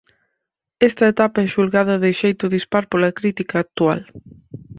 Esta etapa é xulgada de xeito dispar pola crítica actual.